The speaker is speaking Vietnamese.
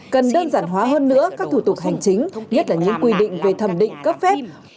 cần đơn giản hóa hơn nữa các thủ tục hành chính nhất là những quy định về thẩm định cấp phép